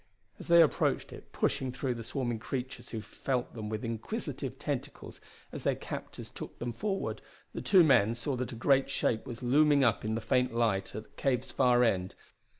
As they approached it, pushing through the swarming creatures who felt them with inquisitive tentacles as their captors took them forward, the two men saw that a great shape was looming up in the faint light at the cave's far end.